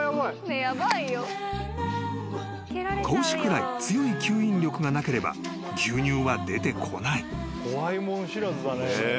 ［子牛くらい強い吸引力がなければ牛乳は出てこない］